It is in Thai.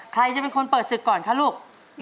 ใครจะเป็นคนเปิดศึกก่อนคะลูก